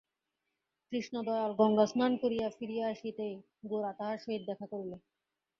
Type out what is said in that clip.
কৃষ্ণদয়াল গঙ্গাস্নান করিয়া ফিরিয়া আসিতেই গোরা তাঁহার সহিত দেখা করিল।